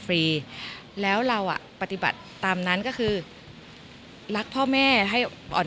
ฟรีแล้วเราอ่ะปฏิบัติตามนั้นก็คือรักพ่อแม่ให้อ่อน